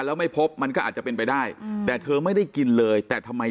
แล้วไม่พบมันก็อาจจะเป็นไปได้แต่เธอไม่ได้กินเลยแต่ทำไม